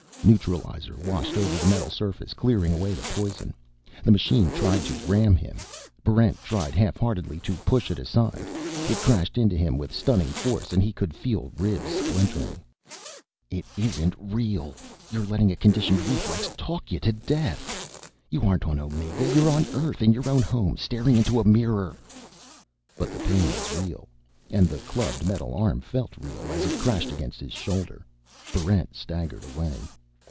Neutralizer washed over the metal surface, clearing away the poison. The machine tried to ram him. Barrent tried half heartedly to push it aside. It crashed into him with stunning force, and he could feel ribs splintering. _It isn't real! You're letting a conditioned reflex talk you to death! You aren't on Omega! You're on Earth, in your own home, staring into a mirror!_ But the pain was real, and the clubbed metal arm felt real as it crashed against his shoulder. Barrent staggered away.